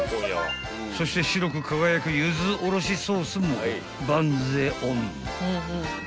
［そして白く輝くゆずおろしソースもバンズへオン］